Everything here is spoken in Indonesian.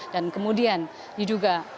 dan kemudian diduga